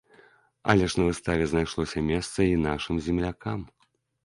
Але ж на выставе знайшлося месца і нашым землякам.